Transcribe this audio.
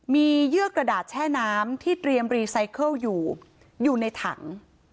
มีเยื่อกระดาษแช่น้ำที่เตรียมรีไซเคิลอยู่อยู่ในถัง